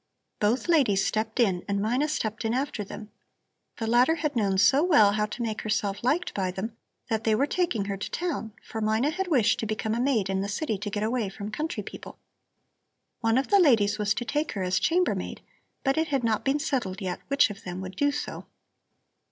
Both ladies stepped in and Mina stepped in after them. The latter had known so well how to make herself liked by them that they were taking her to town, for Mina had wished to become a maid in the city to get away from country people. One of the ladies was to take her as chambermaid, but it had not been settled yet which of them would do so.